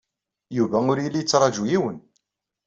Yuba ur yelli yettṛaju yiwen.